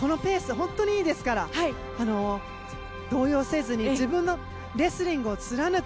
本当にいいですから動揺せずに自分のレスリングを貫く。